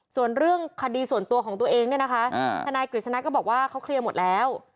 ส่วนเรื่องคดีส่วนตัวของตัวเองเนี่ยนะคะทนายกฤษณะก็บอกว่าเขาเคลียร์หมดแล้ว